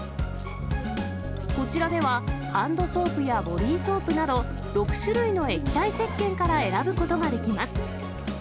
こちらでは、ハンドソープやボディーソープなど、６種類の液体せっけんから選ぶことができます。